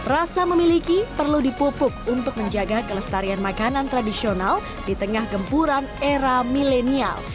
rasa memiliki perlu dipupuk untuk menjaga kelestarian makanan tradisional di tengah gempuran era milenial